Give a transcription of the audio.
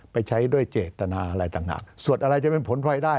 ไปใช้ด้วยเจตนาอะไรต่างหากส่วนอะไรจะเป็นผลพลอยได้